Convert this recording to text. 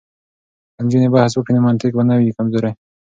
که نجونې بحث وکړي نو منطق به نه وي کمزوری.